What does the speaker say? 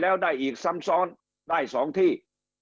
แล้วได้อีกซ้ำซ้อนได้๒ที่